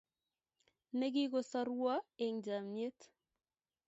Ne kisoruo eng' chamnyet